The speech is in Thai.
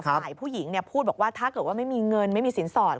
ฝ่ายผู้หญิงพูดบอกว่าถ้าเกิดว่าไม่มีเงินไม่มีสินสอด